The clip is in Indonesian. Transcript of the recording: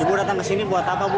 ibu datang kesini buat apa bu